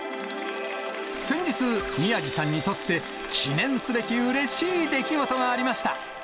先日、宮治さんにとって、記念すべき、うれしい出来事がありました。